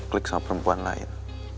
klik sama perempuan lain